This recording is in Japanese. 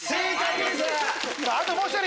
あともう１人。